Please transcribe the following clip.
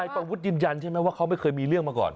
ประวุฒิยืนยันใช่ไหมว่าเขาไม่เคยมีเรื่องมาก่อน